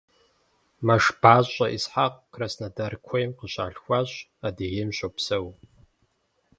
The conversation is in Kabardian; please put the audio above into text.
МэшбащӀэ Исхьэкъ Краснодар куейм къыщалъхуащ, Адыгейм щопсэу.